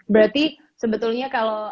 berarti sebetulnya kalau